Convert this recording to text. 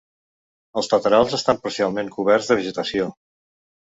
Els laterals estan parcialment coberts de vegetació.